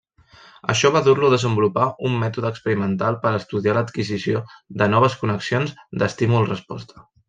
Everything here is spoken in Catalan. Això va dur-lo a desenvolupar un mètode experimental per estudiar l'adquisició de noves connexions d'estímul-resposta.